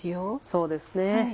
そうですね。